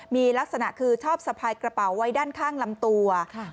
มีลักษณะคือชอบสะพายกระเป๋าไว้ด้านข้างลำตัว